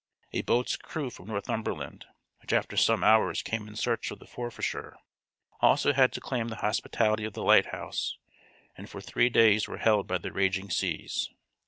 A boat's crew from Northumberland, which after some hours came in search of the Forfarshire, also had to claim the hospitality of the lighthouse, and for three days were held by the raging seas.